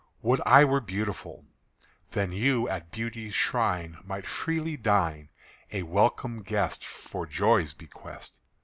Would I were beautiful! Then you at Beauty's shrine might freely dine, A welcome guest For joy's bequest.